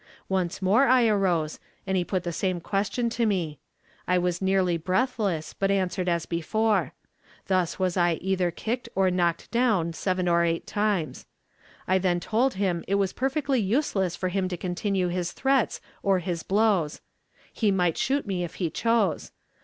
Once more I arose, and he put the same question to me. I was nearly breathless, but answered as before. Thus was I either kicked or knocked down seven or eight times. I then told him it was perfectly useless for him to continue his threats or his blows. He might shoot me if he chose.